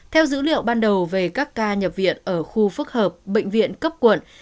theo dữ liệu ban đầu về các ca nhập viện ở khu phức hợp bệnh viện cấp quận